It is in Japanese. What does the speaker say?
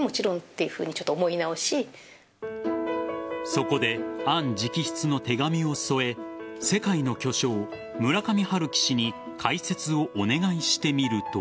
そこで、杏直筆の手紙を添え世界の巨匠・村上春樹氏に解説をお願いしてみると。